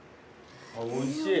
おいしい。